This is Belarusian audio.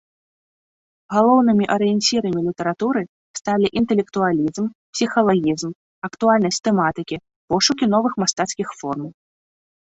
Галоўнымі арыенцірамі літаратуры сталі інтэлектуалізм, псіхалагізм, актуальнасць тэматыкі, пошукі новых мастацкіх форм.